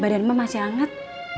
badanmu masih hangat